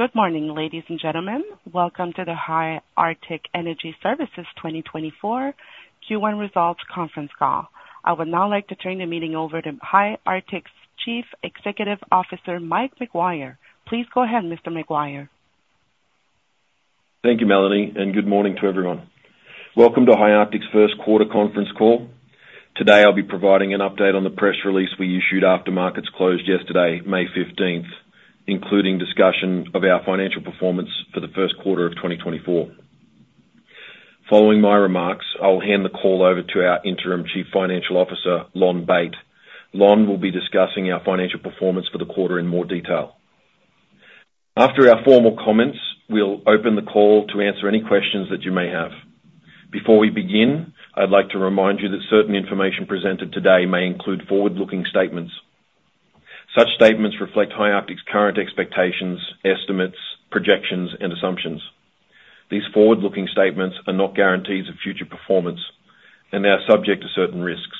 Good morning, ladies and gentlemen. Welcome to the High Arctic Energy Services 2024 Q1 Results Conference Call. I would now like to turn the meeting over to High Arctic's Chief Executive Officer, Mike Maguire. Please go ahead, Mr. Maguire. Thank you, Melanie, and good morning to everyone. Welcome to High Arctic's Q1 Conference Call. Today, I'll be providing an update on the press release we issued after markets closed yesterday, May fifteenth, including discussion of our financial performance for the Q1 of 2024. Following my remarks, I'll hand the call over to our Interim Chief Financial Officer, Lonn Bate. Lonn will be discussing our financial performance for the quarter in more detail. After our formal comments, we'll open the call to answer any questions that you may have. Before we begin, I'd like to remind you that certain information presented today may include forward-looking statements. Such statements reflect High Arctic's current expectations, estimates, projections, and assumptions. These forward-looking statements are not guarantees of future performance, and they are subject to certain risks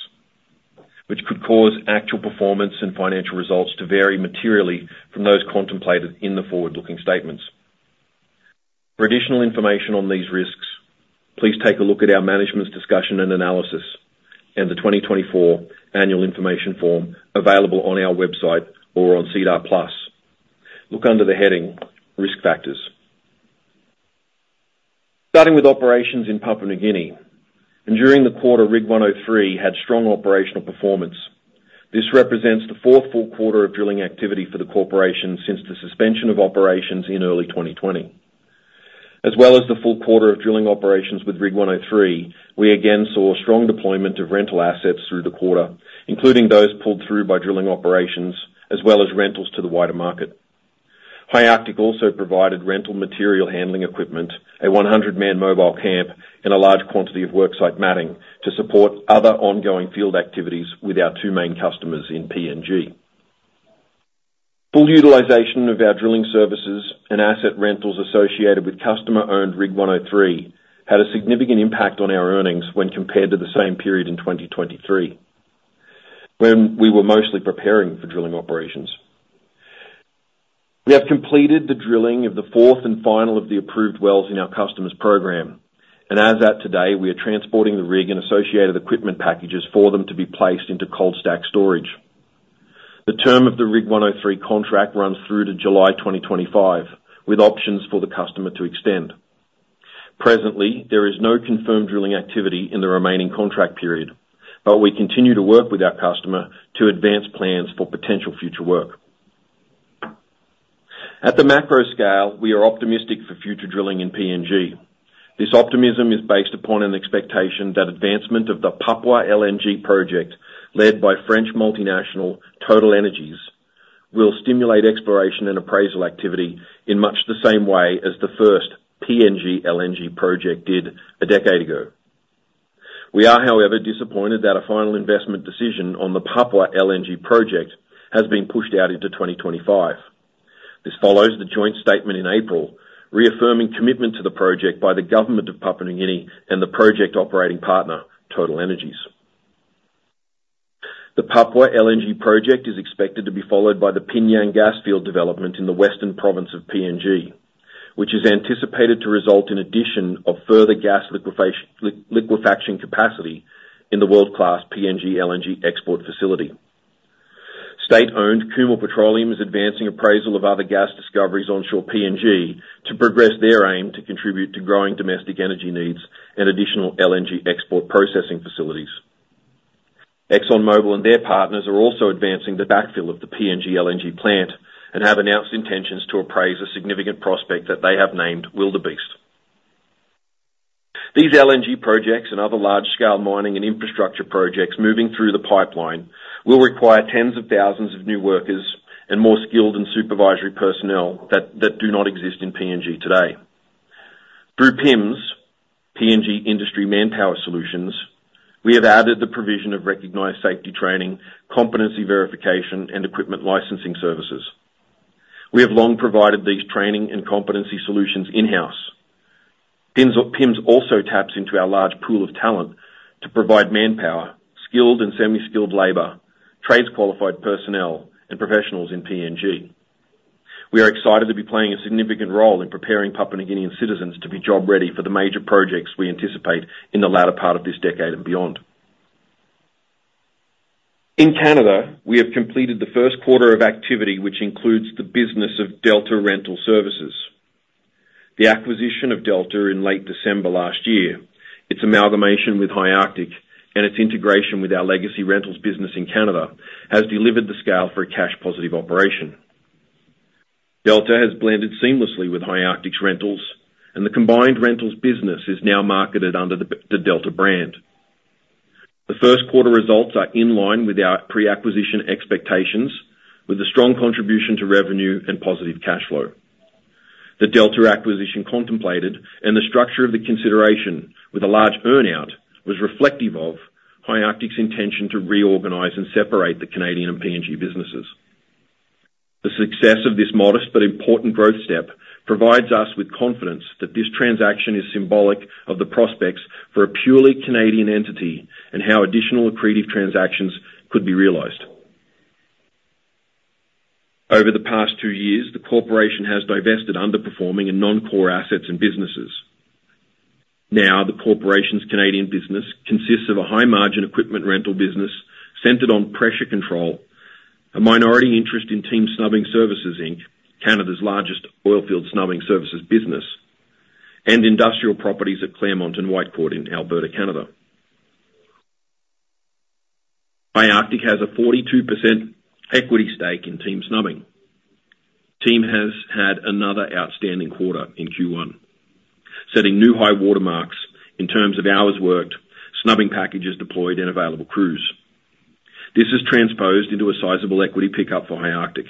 which could cause actual performance and financial results to vary materially from those contemplated in the forward-looking statements. For additional information on these risks, please take a look at our management's discussion and analysis and the 2024 annual information form available on our website or on SEDAR+. Look under the heading Risk Factors. Starting with operations in Papua New Guinea, and during the quarter, Rig 103 had strong operational performance. This represents the fourth full quarter of drilling activity for the corporation since the suspension of operations in early 2020. As well as the full quarter of drilling operations with Rig 103, we again saw strong deployment of rental assets through the quarter, including those pulled through by drilling operations, as well as rentals to the wider market. High Arctic also provided rental material handling equipment, a 100-man mobile camp, and a large quantity of work site matting to support other ongoing field activities with our two main customers in PNG. Full utilization of our drilling services and asset rentals associated with customer-owned Rig 103 had a significant impact on our earnings when compared to the same period in 2023, when we were mostly preparing for drilling operations. We have completed the drilling of the fourth and final of the approved wells in our customer's program, and as at today, we are transporting the rig and associated equipment packages for them to be placed into cold stack storage. The term of the Rig 103 contract runs through to July 2025, with options for the customer to extend. Presently, there is no confirmed drilling activity in the remaining contract period, but we continue to work with our customer to advance plans for potential future work. At the macro scale, we are optimistic for future drilling in PNG. This optimism is based upon an expectation that advancement of the Papua LNG project, led by French multinational TotalEnergies, will stimulate exploration and appraisal activity in much the same way as the first PNG LNG project did a decade ago. We are, however, disappointed that a final investment decision on the Papua LNG project has been pushed out into 2025. This follows the joint statement in April, reaffirming commitment to the project by the government of Papua New Guinea and the project operating partner, TotalEnergies. The Papua LNG project is expected to be followed by the PNG gas field development in the Western Province of PNG, which is anticipated to result in addition of further gas liquefaction capacity in the world-class PNG LNG export facility. State-owned Kumul Petroleum is advancing appraisal of other gas discoveries onshore PNG, to progress their aim to contribute to growing domestic energy needs and additional LNG export processing facilities. ExxonMobil and their partners are also advancing the backfill of the PNG LNG plant and have announced intentions to appraise a significant prospect that they have named Wildebeest. These LNG projects and other large-scale mining and infrastructure projects moving through the pipeline will require tens of thousands of new workers and more skilled and supervisory personnel that do not exist in PNG today. Through PIMS, PNG Industry Manpower Solutions, we have added the provision of recognized safety training, competency verification, and equipment licensing services. We have long provided these training and competency solutions in-house. PIMS, PIMS also taps into our large pool of talent to provide manpower, skilled and semi-skilled labor, trades qualified personnel, and professionals in PNG. We are excited to be playing a significant role in preparing Papua New Guinean citizens to be job ready for the major projects we anticipate in the latter part of this decade and beyond. In Canada, we have completed the Q1 of activity, which includes the business of Delta Rental Services. The acquisition of Delta in late December last year, its amalgamation with High Arctic, and its integration with our legacy rentals business in Canada, has delivered the scale for a cash-positive operation. Delta has blended seamlessly with High Arctic's rentals, and the combined rentals business is now marketed under the Delta brand. The Q1 results are in line with our pre-acquisition expectations, with a strong contribution to revenue and positive cash flow. The Delta acquisition contemplated and the structure of the consideration with a large earn-out, was reflective of High Arctic's intention to reorganize and separate the Canadian and PNG businesses. The success of this modest but important growth step, provides us with confidence that this transaction is symbolic of the prospects for a purely Canadian entity, and how additional accretive transactions could be realized. Over the past two years, the corporation has divested underperforming and non-core assets and businesses. Now, the corporation's Canadian business consists of a high-margin equipment rental business centered on pressure control, a minority interest in Team Snubbing Services Inc., Canada's largest oil field snubbing services business, and industrial properties at Clairmont and Whitecourt in Alberta, Canada. High Arctic has a 42% equity stake in Team Snubbing. Team has had another outstanding quarter in Q1, setting new high watermarks in terms of hours worked, snubbing packages deployed, and available crews. This is transposed into a sizable equity pickup for High Arctic.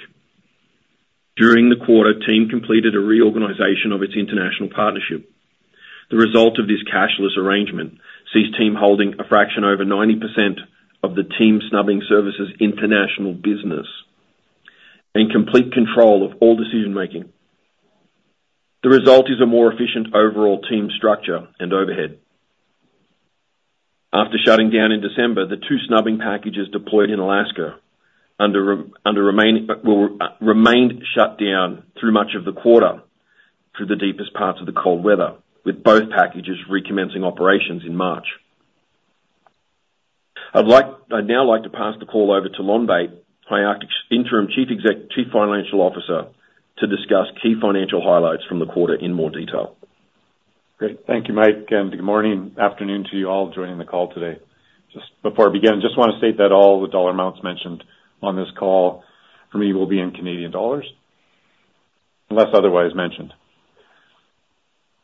During the quarter, Team completed a reorganization of its international partnership. The result of this cashless arrangement sees Team holding a fraction over 90% of the Team Snubbing Services international business and complete control of all decision-making. The result is a more efficient overall team structure and overhead. After shutting down in December, the two snubbing packages deployed in Alaska under remaining remained shut down through much of the quarter through the deepest parts of the cold weather, with both packages recommencing operations in March. I'd now like to pass the call over to Lonn Bate, High Arctic's interim Chief Financial Officer, to discuss key financial highlights from the quarter in more detail. Great. Thank you, Mike, and good morning, afternoon to you all joining the call today. Just before I begin, just want to state that all the dollar amounts mentioned on this call for me will be in Canadian dollars, unless otherwise mentioned.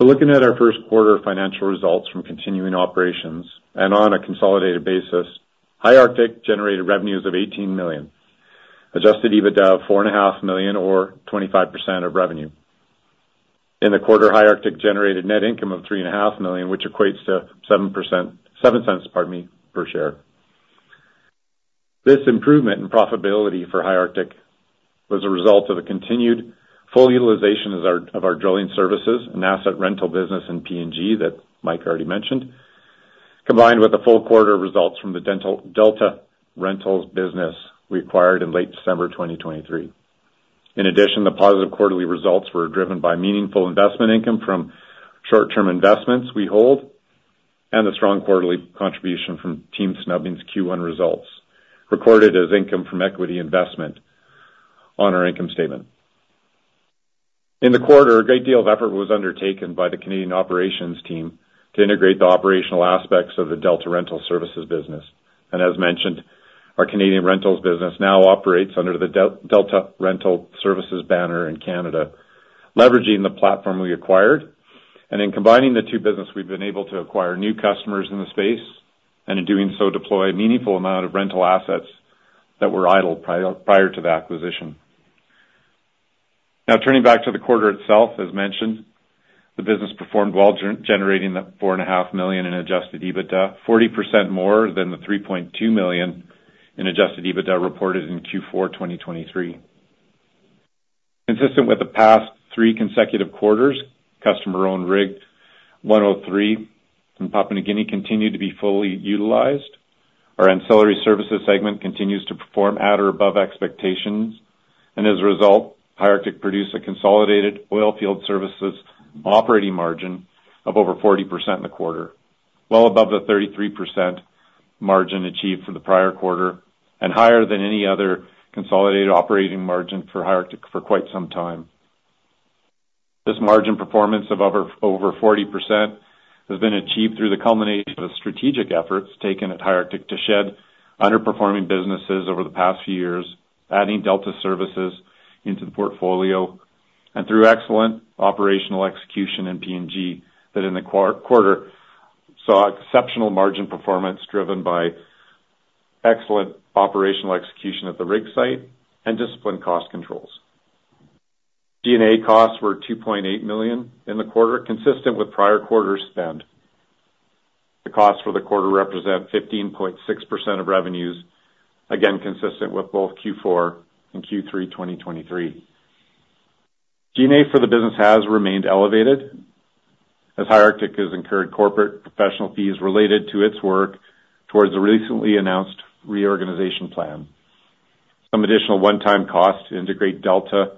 So looking at our Q1 financial results from continuing operations and on a consolidated basis, High Arctic generated revenues of 18 million, adjusted EBITDA 4.5 million or 25% of revenue. In the quarter, High Arctic generated net income of 3.5 million, which equates to 7%, 0.07, pardon me, per share. This improvement in profitability for High Arctic was a result of the continued full utilization of our drilling services and asset rental business in PNG that Mike already mentioned, combined with the full quarter results from the Delta Rental Services business we acquired in late December 2023. In addition, the positive quarterly results were driven by meaningful investment income from short-term investments we hold, and the strong quarterly contribution from Team Snubbing's Q1 results, recorded as income from equity investment on our income statement. In the quarter, a great deal of effort was undertaken by the Canadian operations team to integrate the operational aspects of the Delta Rental Services business. As mentioned, our Canadian rentals business now operates under the Delta Rental Services banner in Canada, leveraging the platform we acquired. In combining the two business, we've been able to acquire new customers in the space, and in doing so, deploy a meaningful amount of rental assets that were idle prior to the acquisition. Now, turning back to the quarter itself, as mentioned, the business performed well, generating 4.5 million in Adjusted EBITDA, 40% more than the 3.2 million in Adjusted EBITDA reported in Q4 2023. Consistent with the past three consecutive quarters, customer-owned Rig 103 from Papua New Guinea continued to be fully utilized. Our ancillary services segment continues to perform at or above expectations, and as a result, High Arctic produced a consolidated oil field services operating margin of over 40% in the quarter, well above the 33% margin achieved from the prior quarter, and higher than any other consolidated operating margin for High Arctic for quite some time. This margin performance of over 40% has been achieved through the culmination of strategic efforts taken at High Arctic to shed underperforming businesses over the past few years, adding Delta services into the portfolio, and through excellent operational execution in PNG, that in the quarter saw exceptional margin performance driven by excellent operational execution at the rig site and disciplined cost controls. G&A costs were 2.8 million in the quarter, consistent with prior quarter spend. The costs for the quarter represent 15.6% of revenues, again, consistent with both Q4 and Q3 2023. G&A for the business has remained elevated as High Arctic has incurred corporate professional fees related to its work towards the recently announced reorganization plan. Some additional one-time costs to integrate Delta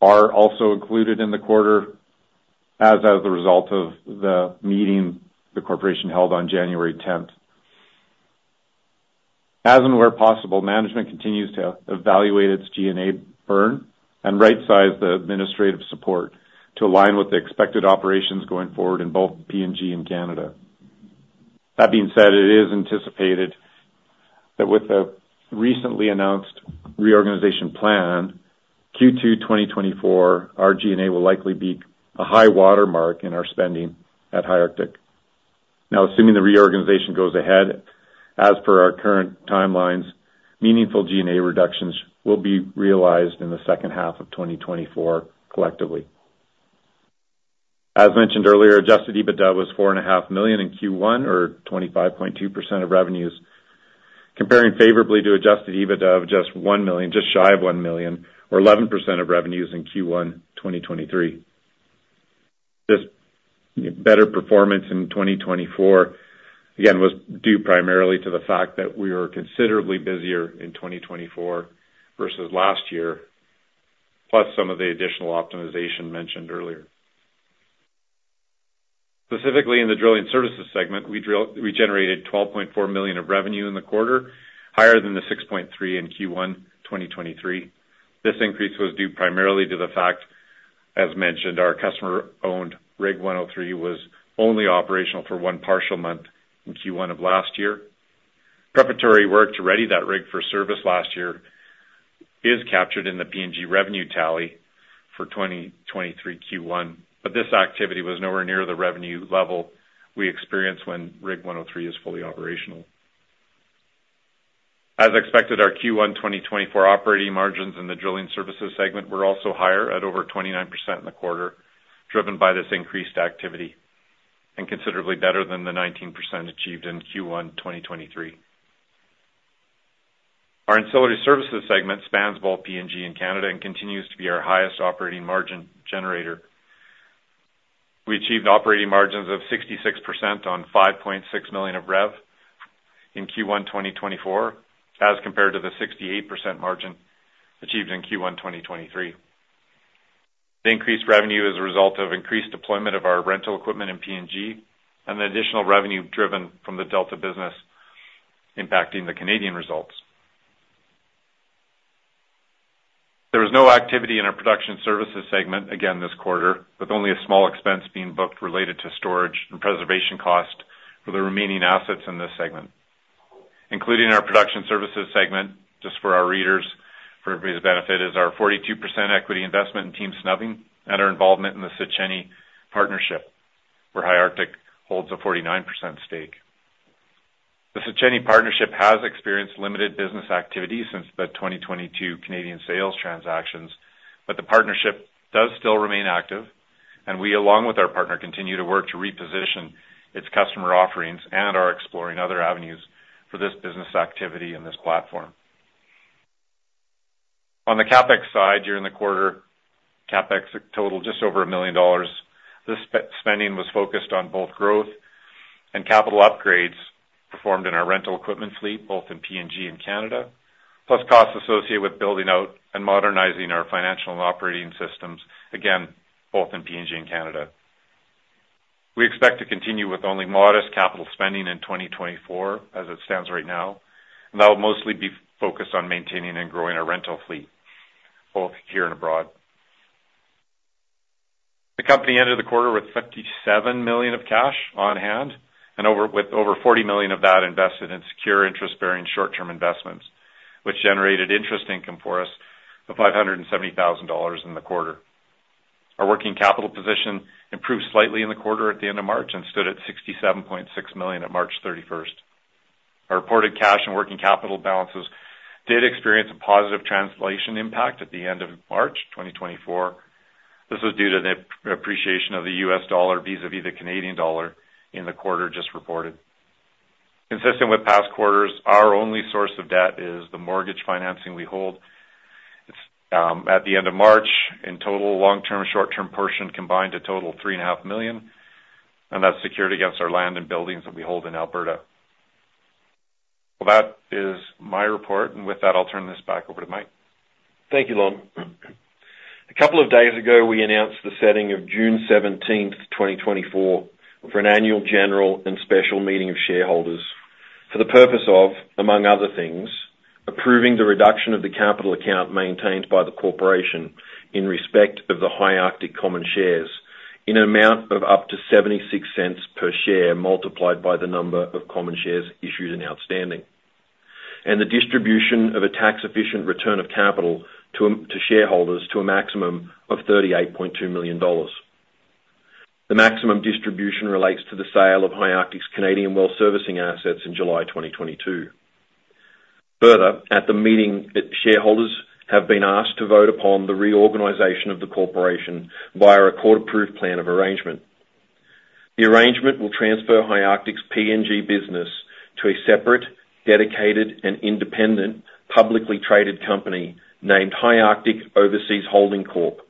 are also included in the quarter as of the result of the meeting the corporation held on January 10th. As and where possible, management continues to evaluate its G&A burn and right size the administrative support to align with the expected operations going forward in both PNG and Canada. That being said, it is anticipated that with the recently announced reorganization plan, Q2 2024, our G&A will likely be a high-water mark in our spending at High Arctic. Now, assuming the reorganization goes ahead, as per our current timelines, meaningful G&A reductions will be realized in the second half of 2024, collectively. As mentioned earlier, Adjusted EBITDA was 4.5 million in Q1, or 25.2% of revenues, comparing favorably to Adjusted EBITDA of just 1 million, just shy of 1 million, or 11% of revenues in Q1 2023. This better performance in 2024, again, was due primarily to the fact that we were considerably busier in 2024 versus last year, plus some of the additional optimization mentioned earlier. Specifically, in the drilling services segment, we generated 12.4 million of revenue in the quarter, higher than the 6.3 million in Q1 2023. This increase was due primarily to the fact, as mentioned, our customer-owned Rig 103 was only operational for one partial month in Q1 of last year. Preparatory work to ready that rig for service last year is captured in the PNG revenue tally for 2023 Q1, but this activity was nowhere near the revenue level we experience when Rig 103 is fully operational. As expected, our Q1 2024 operating margins in the drilling services segment were also higher at over 29% in the quarter, driven by this increased activity, and considerably better than the 19% achieved in Q1 2023. Our ancillary services segment spans both PNG and Canada and continues to be our highest operating margin generator. We achieved operating margins of 66% on 5.6 million of rev in Q1 2024, as compared to the 68% margin achieved in Q1 2023. The increased revenue is a result of increased deployment of our rental equipment in PNG and the additional revenue driven from the Delta business impacting the Canadian results. There was no activity in our production services segment, again, this quarter, with only a small expense being booked related to storage and preservation cost for the remaining assets in this segment. Including our production services segment, just for our readers, for everybody's benefit, is our 42% equity investment in Team Snubbing and our involvement in the Sikanni Partnership, where High Arctic holds a 49% stake. The Sikanni Partnership has experienced limited business activity since the 2022 Canadian sales transactions, but the partnership does still remain active, and we, along with our partner, continue to work to reposition its customer offerings and are exploring other avenues for this business activity in this platform. On the CapEx side, during the quarter, CapEx totaled just over 1 million dollars. This spending was focused on both growth and capital upgrades performed in our rental equipment fleet, both in PNG and Canada, plus costs associated with building out and modernizing our financial and operating systems, again, both in PNG and Canada. We expect to continue with only modest capital spending in 2024 as it stands right now, and that will mostly be focused on maintaining and growing our rental fleet, both here and abroad. The company ended the quarter with 57 million of cash on hand and with over 40 million of that invested in secure interest-bearing short-term investments, which generated interest income for us of 570,000 dollars in the quarter. Our working capital position improved slightly in the quarter at the end of March and stood at 67.6 million on March thirty-first. Our reported cash and working capital balances did experience a positive translation impact at the end of March 2024. This was due to the appreciation of the US dollar vis-a-vis the Canadian dollar in the quarter just reported. Consistent with past quarters, our only source of debt is the mortgage financing we hold. At the end of March, in total, long-term, short-term portion combined to total 3.5 million, and that's secured against our land and buildings that we hold in Alberta. That is my report, and with that, I'll turn this back over to Mike. Thank you, Lonn. A couple of days ago, we announced the setting of June seventeenth, 2024, for an annual general and special meeting of shareholders for the purpose of, among other things, approving the reduction of the capital account maintained by the corporation in respect of the High Arctic common shares in an amount of up to 0.76 per share, multiplied by the number of common shares issued and outstanding, and the distribution of a tax-efficient return of capital to shareholders to a maximum of 38.2 million dollars. The maximum distribution relates to the sale of High Arctic's Canadian well servicing assets in July 2022. Further, at the meeting, the shareholders have been asked to vote upon the reorganization of the corporation via a court-approved plan of arrangement. The arrangement will transfer High Arctic's PNG business to a separate, dedicated and independent, publicly traded company named High Arctic Overseas Holdings Corp.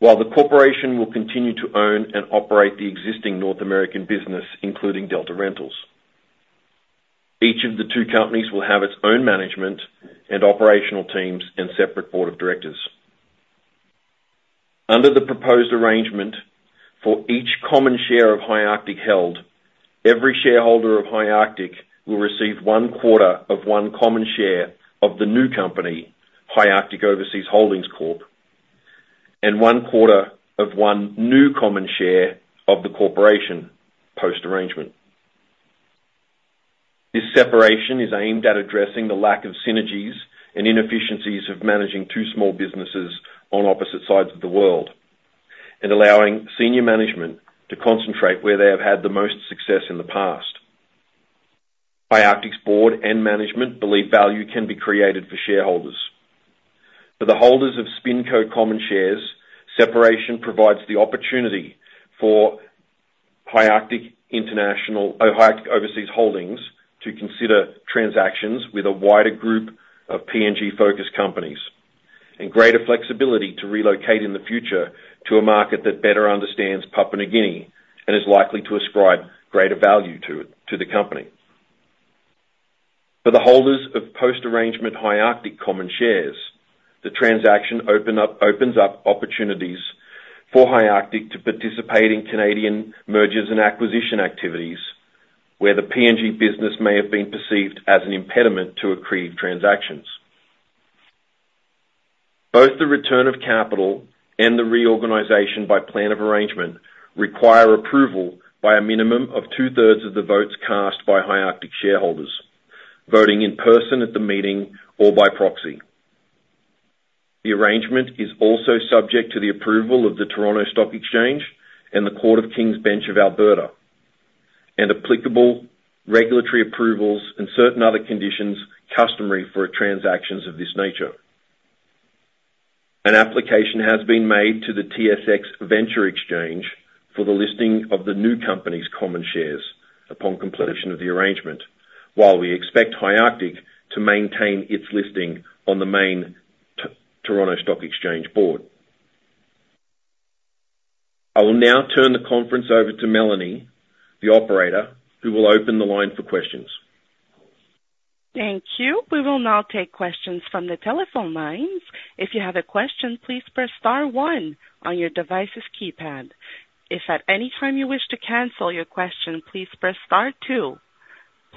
While the corporation will continue to own and operate the existing North American business, including Delta Rentals, each of the two companies will have its own management and operational teams and separate board of directors. Under the proposed arrangement, for each common share of High Arctic held, every shareholder of High Arctic will receive one quarter of one common share of the new company, High Arctic Overseas Holdings Corp., and one quarter of one new common share of the corporation post-arrangement. This separation is aimed at addressing the lack of synergies and inefficiencies of managing two small businesses on opposite sides of the world and allowing senior management to concentrate where they have had the most success in the past. High Arctic's board and management believe value can be created for shareholders. For the holders of SpinCo common shares, separation provides the opportunity for High Arctic International, or High Arctic Overseas Holdings to consider transactions with a wider group of PNG-focused companies, and greater flexibility to relocate in the future to a market that better understands Papua New Guinea and is likely to ascribe greater value to it, to the company. For the holders of post-arrangement High Arctic common shares, the transaction opens up opportunities for High Arctic to participate in Canadian mergers and acquisition activities, where the PNG business may have been perceived as an impediment to accretive transactions. Both the return of capital and the reorganization by Plan of Arrangement require approval by a minimum of 2/3 of the votes cast by High Arctic shareholders, voting in person at the meeting or by proxy. The arrangement is also subject to the approval of the Toronto Stock Exchange and the Court of King's Bench of Alberta, and applicable regulatory approvals and certain other conditions customary for transactions of this nature. An application has been made to the TSX Venture Exchange for the listing of the new company's common shares upon completion of the arrangement, while we expect High Arctic to maintain its listing on the main Toronto Stock Exchange board. I will now turn the conference over to Melanie, the operator, who will open the line for questions. Thank you. We will now take questions from the telephone lines. If you have a question, please press star one on your device's keypad. If at any time you wish to cancel your question, please press star two.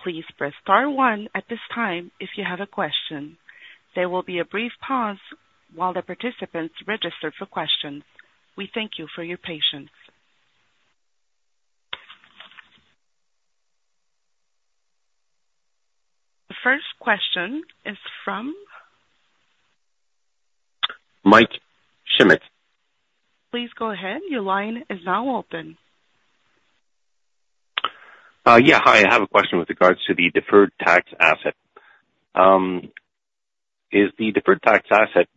Please press star one at this time, if you have a question. There will be a brief pause while the participants register for questions. We thank you for your patience. The first question is from? Mike Schmidt. Please go ahead. Your line is now open. Yeah, hi. I have a question with regards to the deferred tax asset. Is the deferred tax asset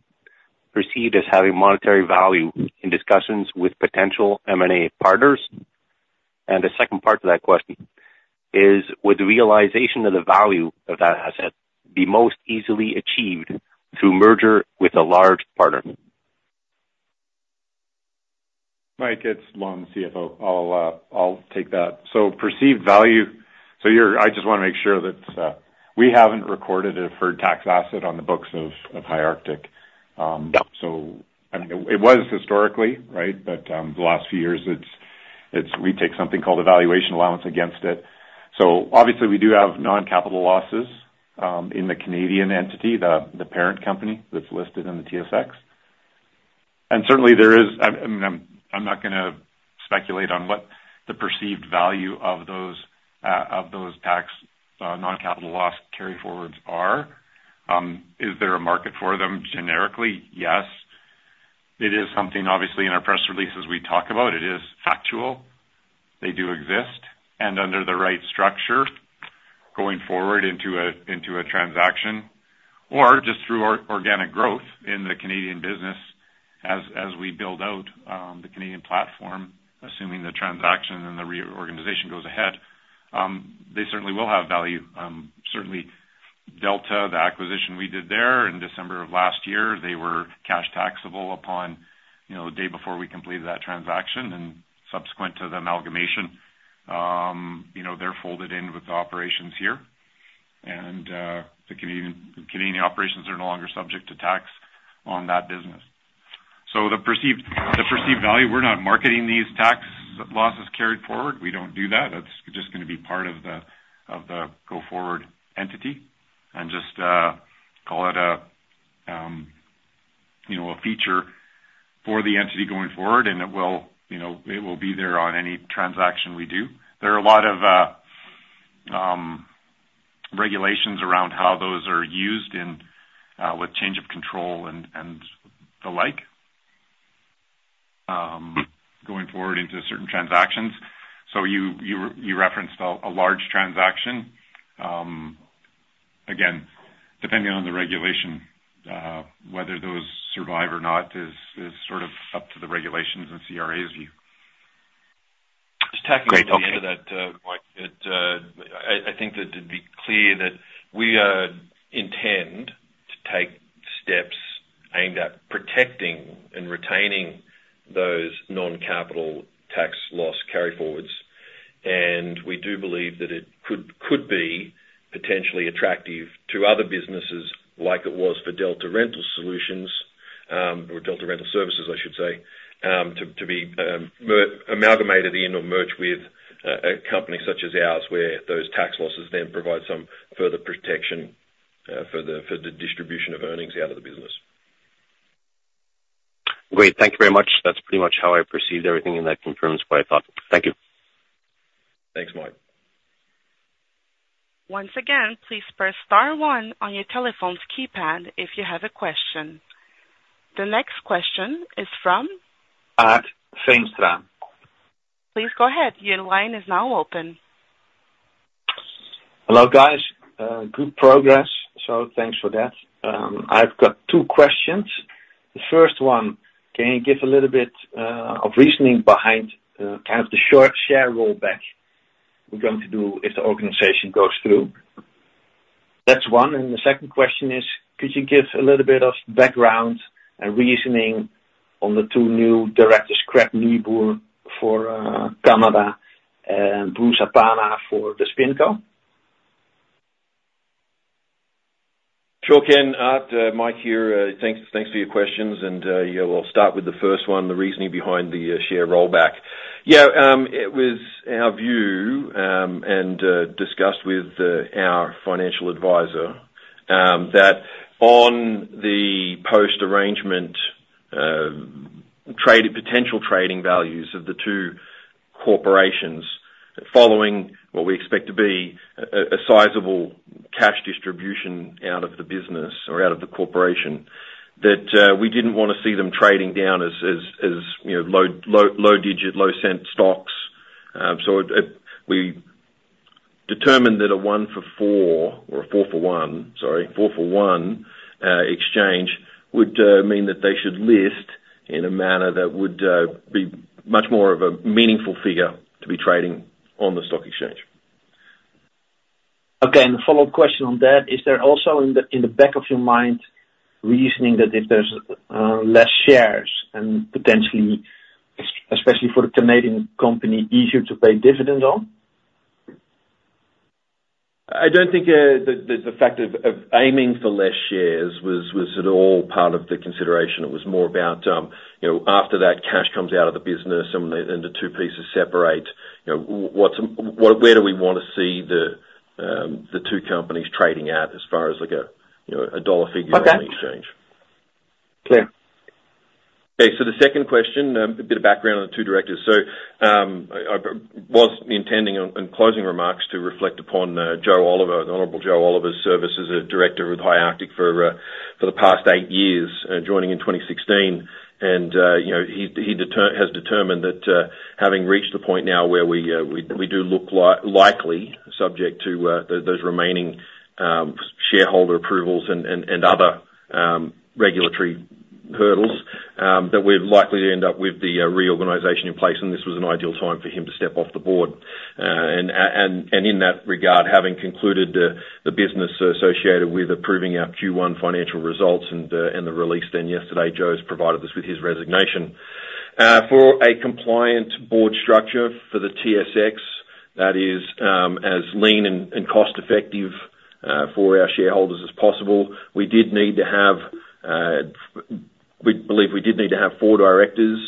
perceived as having monetary value in discussions with potential M&A partners? And the second part to that question is, would the realization of the value of that asset be most easily achieved through merger with a large partner? Mike, it's Lonn, the CFO. I'll, I'll take that. So perceived value, I just wanna make sure that, we haven't recorded a deferred tax asset on the books of, of High Arctic. Yep. So, I mean, it was historically, right? But the last few years, it's, it's we take something called a valuation allowance against it. So obviously, we do have non-capital losses in the Canadian entity, the parent company that's listed in the TSX. And certainly, there is, I'm not gonna speculate on what the perceived value of those of those tax non-capital loss carryforwards are. Is there a market for them generically? Yes. It is something, obviously, in our press releases we talk about. It is factual. They do exist, and under the right structure, going forward into a into a transaction, or just through organic growth in the Canadian business, as as we build out the Canadian platform, assuming the transaction and the reorganization goes ahead, they certainly will have value. Certainly, Delta, the acquisition we did there in December of last year, they were cash taxable upon, you know, the day before we completed that transaction and subsequent to the amalgamation. You know, they're folded in with the operations here, and the Canadian, Canadian operations are no longer subject to tax on that business. So the perceived, the perceived value, we're not marketing these tax losses carried forward. We don't do that. That's just gonna be part of the, of the go-forward entity and just, call it a, you know, a feature for the entity going forward, and it will, you know, it will be there on any transaction we do. There are a lot of regulations around how those are used in with change of control and, and the like, going forward into certain transactions. So you referenced a large transaction. Again, depending on the regulation, whether those survive or not is sort of up to the regulations and CRA's view. Great. Okay. Just tack on to the end of that, Mike, I think that to be clear that we intend to take steps aimed at protecting and retaining those non-capital tax loss carryforwards, and we do believe that it could be potentially attractive to other businesses, like it was for Delta Rental Solutions, or Delta Rental Services, I should say, to be amalgamated in or merged with a company such as ours, where those tax losses then provide some further protection, for the distribution of earnings out of the business. Great. Thank you very much. That's pretty much how I perceived everything, and that confirms what I thought. Thank you. Thanks, Mike. Once again, please press star one on your telephone's keypad if you have a question. The next question is from? Ken Strand. Please go ahead. Your line is now open. Hello, guys. Good progress, so thanks for that. I've got two questions. The first one, can you give a little bit of reasoning behind, kind of, the short share rollback we're going to do if the organization goes through? That's one. The second question is, could you give a little bit of background and reasoning on the two new directors, Craig Nieboer for Canada and Bruce Apana for the SpinCo? Sure, Ken. Mike here. Thanks, thanks for your questions. And, yeah, we'll start with the first one, the reasoning behind the, share rollback. Yeah, it was our view, and, discussed with, our financial advisor, that on the post-arrangement, trade potential trading values of the two corporations, following what we expect to be a, a sizable cash distribution out of the business or out of the corporation, that, we didn't wanna see them trading down as, as, as, you know, low, low, low digit, low cent stocks. We determined that a 1-for-4 or a 4-for-1, sorry, 4-for-1, exchange, would, mean that they should list in a manner that would, be much more of a meaningful figure to be trading on the stock exchange. Okay, and the follow-up question on that: is there also in the, in the back of your mind, reasoning that if there's less shares and potentially, especially for a Canadian company, easier to pay dividends on? I don't think the fact of aiming for less shares was at all part of the consideration. It was more about, you know, after that cash comes out of the business and the two pieces separate, you know, what, where do we wanna see the two companies trading at as far as like a, you know, a dollar figure- Okay. on the exchange? Clear. Okay, so the second question, a bit of background on the two directors. So, I was intending on closing remarks to reflect upon Joe Oliver, the Honorable Joe Oliver's service as a director of High Arctic for the past eight years, joining in 2016. And, you know, he has determined that, having reached the point now where we do look likely, subject to those remaining shareholder approvals and other regulatory hurdles, that we're likely to end up with the reorganization in place, and this was an ideal time for him to step off the board. And in that regard, having concluded the business associated with approving our Q1 financial results and the release then yesterday, Joe has provided us with his resignation. For a compliant board structure for the TSX, that is, as lean and cost effective for our shareholders as possible, we did need to have. We believe we did need to have four directors,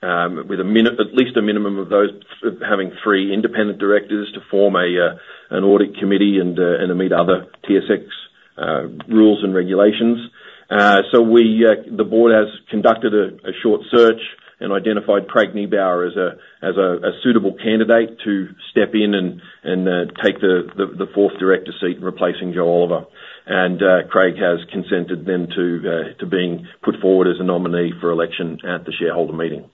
with at least a minimum of those having three independent directors to form an audit committee and to meet other TSX rules and regulations. So we, the board has conducted a short search and identified Craig Nieboer as a suitable candidate to step in and take the fourth director seat, replacing Joe Oliver. Craig has consented then to being put forward as a nominee for election at the shareholder meeting.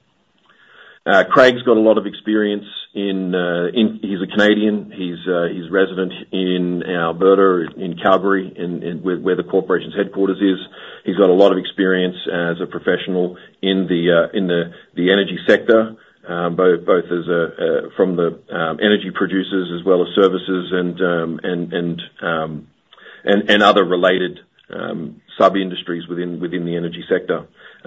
Craig's got a lot of experience. He's a Canadian, he's resident in Alberta, in Calgary, where the corporation's headquarters is. He's got a lot of experience as a professional in the energy sector, both from the energy producers as well as services and other related sub-industries within the energy sector.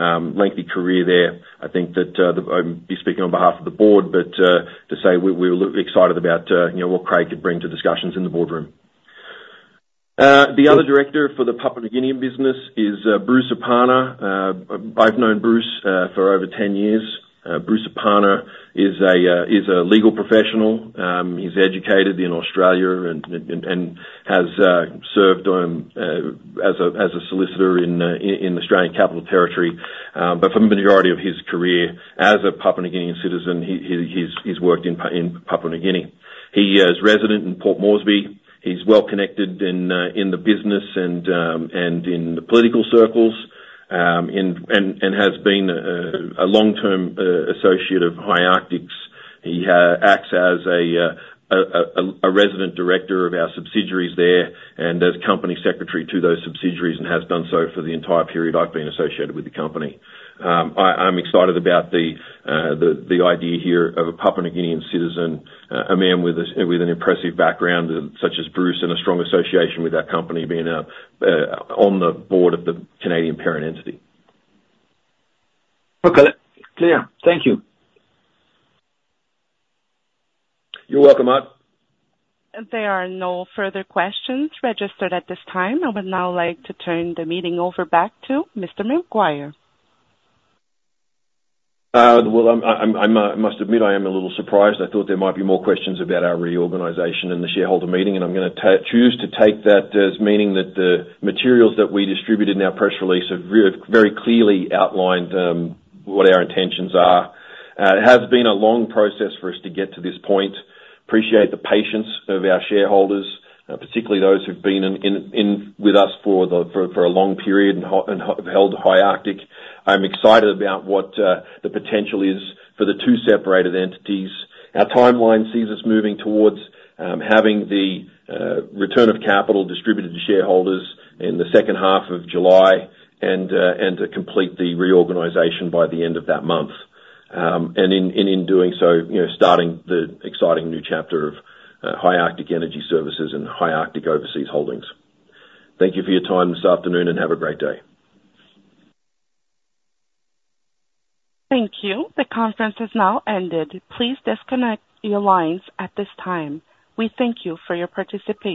Lengthy career there. I think that he's speaking on behalf of the board, but to say we're excited about, you know, what Craig could bring to discussions in the boardroom. The other director for the Papua New Guinea business is Bruce Apana. I've known Bruce for over 10 years. Bruce Apana is a legal professional. He's educated in Australia and has served as a solicitor in the Australian Capital Territory. But for the majority of his career as a Papua New Guinean citizen, he's worked in Papua New Guinea. He is resident in Port Moresby. He's well connected in the business and in the political circles and has been a long-term associate of High Arctic's. He acts as a resident director of our subsidiaries there, and as company secretary to those subsidiaries, and has done so for the entire period I've been associated with the company. I'm excited about the idea here of a Papua New Guinean citizen, a man with an impressive background, such as Bruce, and a strong association with our company, being on the board of the Canadian parent entity. Okay. Clear. Thank you. You're welcome, Art. There are no further questions registered at this time. I would now like to turn the meeting over back to Mr. McGuire. Well, I must admit, I am a little surprised. I thought there might be more questions about our reorganization and the shareholder meeting, and I'm gonna choose to take that as meaning that the materials that we distributed in our press release have very clearly outlined what our intentions are. It has been a long process for us to get to this point. Appreciate the patience of our shareholders, particularly those who've been in with us for a long period and have held High Arctic. I'm excited about what the potential is for the two separated entities. Our timeline sees us moving towards having the return of capital distributed to shareholders in the second half of July, and to complete the reorganization by the end of that month. And in doing so, you know, starting the exciting new chapter of High Arctic Energy Services and High Arctic Overseas Holdings. Thank you for your time this afternoon, and have a great day. Thank you. The conference has now ended. Please disconnect your lines at this time. We thank you for your participation.